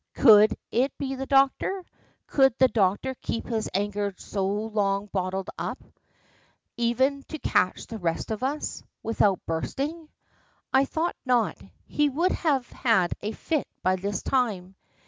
Could it be the doctor! Could the doctor keep his anger so long bottled up even to catch the rest of us without bursting? I thought not: he would have had a fit by this time.